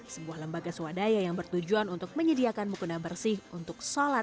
sebuah lembaga swadaya yang bertujuan untuk menyediakan mukena bersih untuk sholat